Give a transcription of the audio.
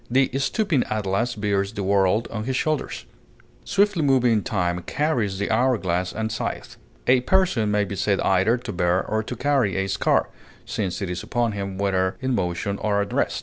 The stooping Atlas bears the world on his shoulders; swiftly moving Time carries the hour glass and scythe; a person may be said either to bear or to carry a scar, since it is upon him whether in motion or at rest.